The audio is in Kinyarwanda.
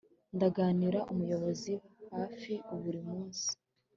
Ndaganira numuyobozi hafi buri munsi